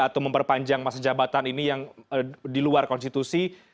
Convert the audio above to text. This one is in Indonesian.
atau memperpanjang masa jabatan ini yang di luar konstitusi